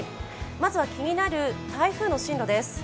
まずは気になる台風の進路です。